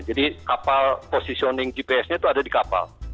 jadi kapal positioning gps nya itu ada di kapal